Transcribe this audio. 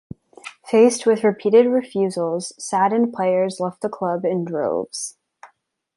Faced with repeated refusals, saddened players left the club in droves.